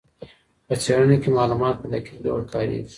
په څېړنه کي معلومات په دقیق ډول کاریږي.